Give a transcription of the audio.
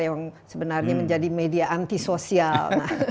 yang sebenarnya menjadi media antisosial